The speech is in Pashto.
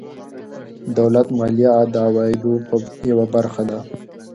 دولت مالیه د عوایدو یوه برخه ده.